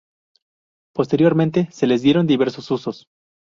Posteriormente se les dieron diversos usos.